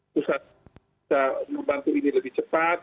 pusat bisa membantu ini lebih cepat